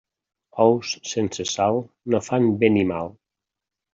Ous sense sal no fan bé ni mal.